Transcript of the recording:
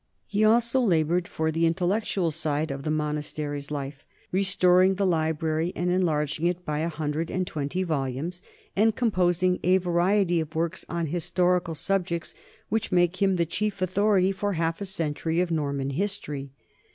He also labored for the intellectual side of the monastery's life, restoring the library and enlarging it by a hundred and twenty volumes, and composing a variety of works on historical subjects which make him the chief authority for half a century of Norman history.